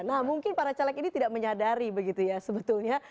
nah mungkin para caleg ini tidak menyadari begitu ya sebetulnya